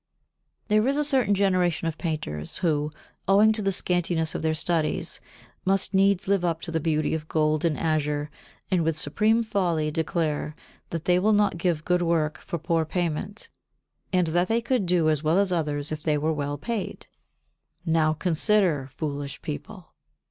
66. There is a certain generation of painters who, owing to the scantiness of their studies, must needs live up to the beauty of gold and azure, and with supreme folly declare that they will not give good work for poor payment, and that they could do as well as others if they were well paid. Now consider, foolish people!